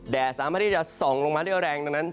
แดดสามารถที่จะส่องลงมาด้วยแรงตรงนั้น